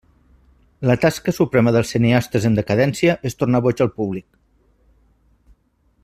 La tasca suprema dels cineastes en decadència és tornar boig al públic.